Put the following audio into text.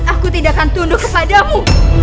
aku tidak akan tunduk kepadamu